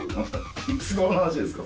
いつ頃の話ですか？